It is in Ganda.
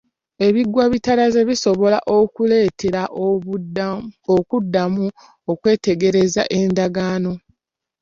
Ebigwa bitalaze bisobola okuleetera okuddamu okwetegereza endagaano.